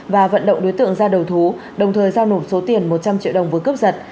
và vận động đối tượng ra đầu thú đồng thời giao nộp số tiền một trăm linh triệu đồng vừa cướp giật